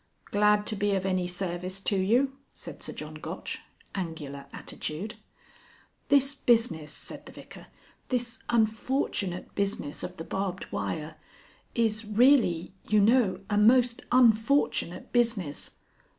"Glad to be of any service to you," said Sir John Gotch. (Angular attitude.) "This business," said the Vicar, "this unfortunate business of the barbed wire is really, you know, a most unfortunate business."